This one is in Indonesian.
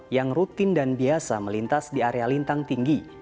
yang rutin dan biasa melintas di area lintang tinggi